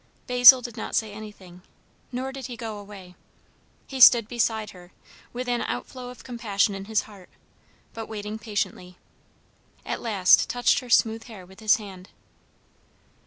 Basil did not say anything, nor did he go away; he stood beside her, with an outflow of compassion in his heart, but waiting patiently. At last touched her smooth hair with his hand.